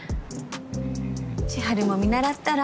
千晴も見習ったら？